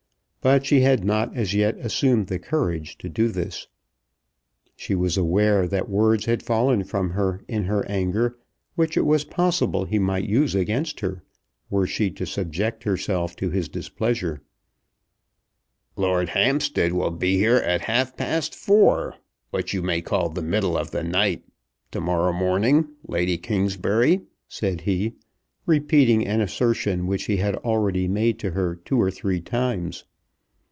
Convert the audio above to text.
But she had not as yet assumed the courage to do this. She was aware that words had fallen from her in her anger which it was possible he might use against her, were she to subject herself to his displeasure. "Lord Hampstead will be here at half past four what you may call the middle of the night to morrow morning, Lady Kingsbury," said he, repeating an assertion which he had already made to her two or three times.